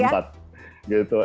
sama unpad gitu